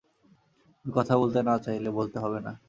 তুমি কথা বলতে না চাইলে বলতে হবে না।